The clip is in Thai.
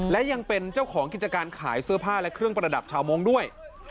และยังเป็นเจ้าของกิจการขายเสื้อผ้าและเครื่องประดับชาวมงค์ด้วย